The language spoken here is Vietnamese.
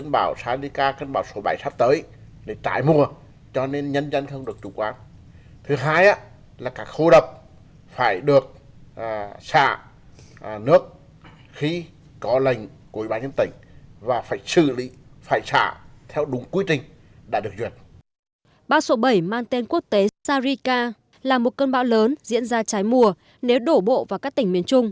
bác sổ bảy mang tên quốc tế sarika là một cơn bão lớn diễn ra trái mùa nếu đổ bộ vào các tỉnh miền trung